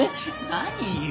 何よ。